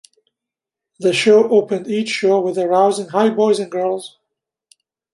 The show opened each show with a rousing Hi boys and girls!